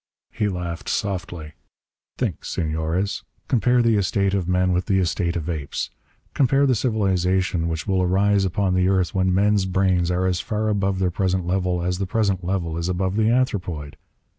He laughed softly. "Think, Senores! Compare the estate of men with the estate of apes! Compare the civilization which will arise upon the earth when men's brains are as far above their present level as the present level is above the anthropoid!